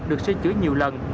được sửa chữa nhiều lần